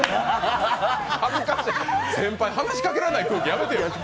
先輩、話しかけられない空気やめてよ。